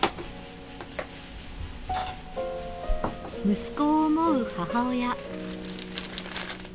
息子を思う母親。